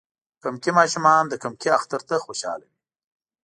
کمکي ماشومان د کمکی اختر ته خوشحاله وی.